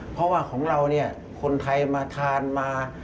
เพราะว่าของเราเนี่ยคนไทยมาทานมา